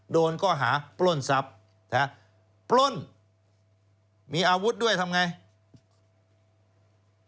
โดนก็หาปล้นทันทีปล้นมีอาวุธด้วยทำอย่างไร